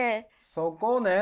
そこね。